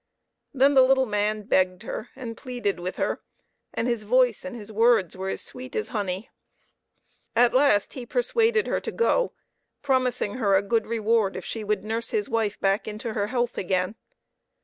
Then the little man begged her and pleaded with her, and his voice and his words were as sweet as honey. At last he persuaded her to go, promising her a good reward if she would nurse his wife back into her health again.